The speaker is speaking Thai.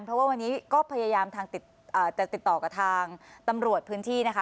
เพราะว่าวันนี้ก็พยายามติดต่อจะติดต่อกับทางตำรวจพื้นที่นะคะ